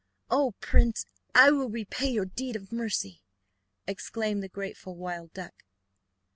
"Oh, prince! I will repay your deed of mercy," exclaimed the grateful wild duck.